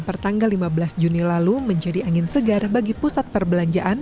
pertanggal lima belas juni lalu menjadi angin segar bagi pusat perbelanjaan